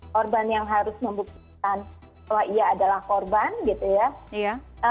korban yang harus membuktikan bahwa ia adalah korban gitu ya